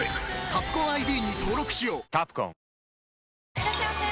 いらっしゃいませ！